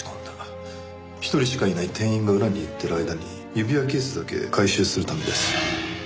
１人しかいない店員が裏に行ってる間に指輪ケースだけ回収するためです。